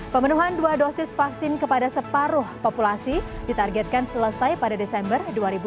pemenuhan dua dosis vaksin kepada separuh populasi ditargetkan selesai pada desember dua ribu dua puluh